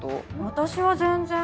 私は全然。